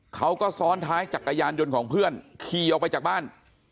เขาก็ซ้อนท้ายจักรยานยนต์ของเพื่อนขี่ออกไปจากบ้าน